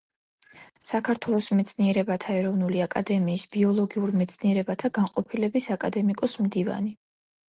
საქართველოს მეცნიერებათა ეროვნული აკადემიის ბიოლოგიურ მეცნიერებათა განყოფილების აკადემიკოს მდივანი.